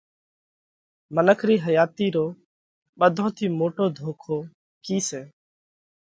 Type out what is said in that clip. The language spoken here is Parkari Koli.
منک رِي حياتِي رو ٻڌون ٿِي موٽو ڌوکو ڪِي سئہ؟